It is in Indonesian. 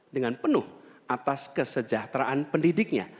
dengan penuh atas kesejahteraan pendidiknya